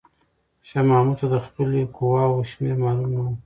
شاه محمود ته د خپلې قواوو شمېر معلومه نه و.